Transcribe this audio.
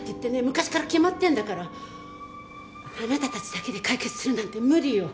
昔から決まってんだからあなた達だけで解決するなんて無理よ！